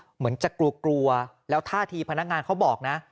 เหมือนจะกลัวกลัวแล้วท่าทีพนักงานเขาบอกนะ